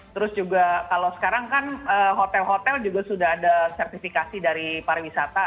terus juga kalau sekarang kan hotel hotel juga sudah ada sertifikasi dari pariwisata